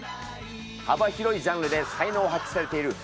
幅広いジャンルで才能を発揮されている作詞家先生だ。